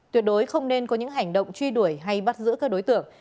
tuyệt đối không nên có những hành động truy đuổi hay bắt giữ các đối tượng